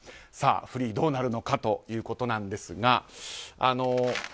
フリー、どうなるのかということなんですが。